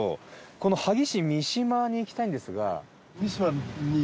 この萩市見島に行きたいんですが。